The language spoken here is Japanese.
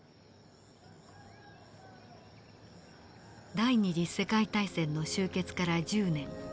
第二次世界大戦の終結から１０年。